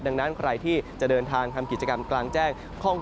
ดังนั้นใครที่จะเดินทางทำกิจกรรมกลางแจ้ง